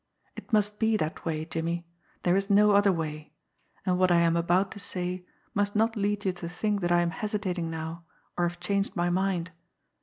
It must be that way, Jimmie; there is no other way, and what I am about to say must not lead you to think that I am hesitating now, or have changed my mind.